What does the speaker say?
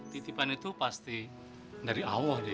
titipan itu pasti dari awal deh